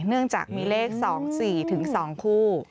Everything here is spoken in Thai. เนื่องจากมีเลข๒๔ถึง๒คู่